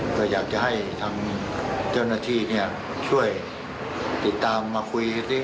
ก็อยากจะให้ทางเจ้าหน้าที่ช่วยติดตามมาคุยซิ